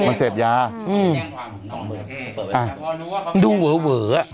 มันดูเหว๋ว